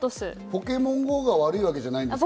ポケモンＧＯが悪いわけじゃないんです。